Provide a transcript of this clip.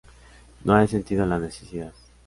No he sentido la necesidad.